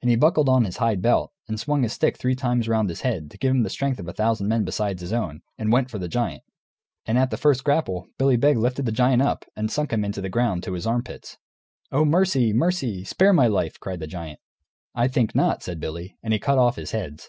And he buckled on his hide belt, and swung his stick three times round his head, to give him the strength of a thousand men besides his own, and went for the giant. And at the first grapple Billy Beg lifted the giant up and sunk him in the ground, to his armpits. "Oh, mercy! mercy! Spare my life!" cried the giant. "I think not," said Billy; and he cut off his heads.